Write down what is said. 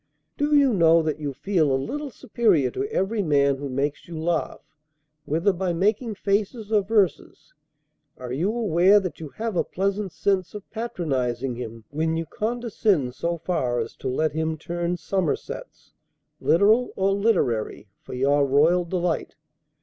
Do you know that you feel a little superior to every man who makes you laugh, whether by making faces or verses? Are you aware that you have a pleasant sense of patronizing him, when you condescend so far as to let him turn somersets, literal or literary, for your royal delight?